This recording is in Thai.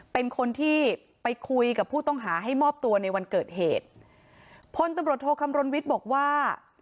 เป็นคนที่ไปคุยกับผู้ต้องหาให้มอบตัวในวันเกิดเหตุพลตำรวจโทคำรณวิทย์บอกว่า